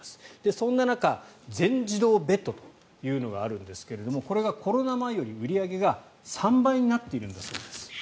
そんな中、全自動ベッドというのがあるんですがこれがコロナ前より売り上げが３倍になっているんだそうです。